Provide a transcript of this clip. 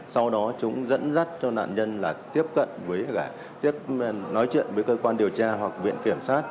sau đó chúng dẫn dắt cho nạn nhân là tiếp cận với cả tiếp nói chuyện với cơ quan điều tra hoặc viện kiểm sát